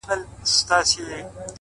اخلاص د باور کلا ټینګوي’